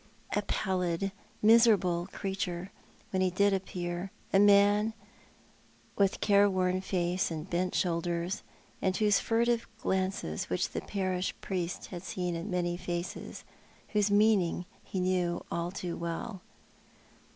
A pallid, miserable looking creature when he did appear; a man with careworn face and bent shoulders, and those furtive glances which the parish priest had seen in many faces, whose meaning he knew only too well.